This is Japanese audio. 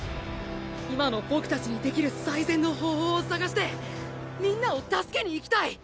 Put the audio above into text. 今の僕たちにできる最善の方法を探してみんなを助けに行きたい！